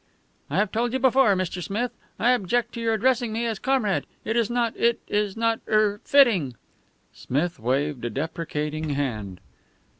"I have told you before, Mr. Smith, I object to your addressing me as Comrade. It is not it is not er fitting." Smith waved a deprecating hand.